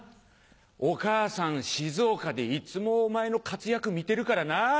お母さん静岡でいつもお前の活躍見てるからな。